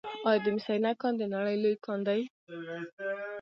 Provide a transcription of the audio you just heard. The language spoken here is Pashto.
آیا د مس عینک کان د نړۍ لوی کان دی؟